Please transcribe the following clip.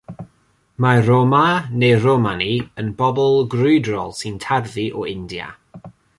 Mae'r Roma neu'r Romani yn bobl grwydrol sy'n tarddu o India.